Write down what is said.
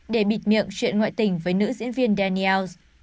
để bịt miệng chuyện ngoại tình với nữ diễn viên daniels